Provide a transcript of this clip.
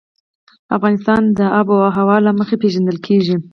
افغانستان د آب وهوا له مخې پېژندل کېږي.